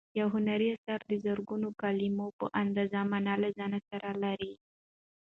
یو هنري اثر د زرګونو کلیمو په اندازه مانا له ځان سره لري.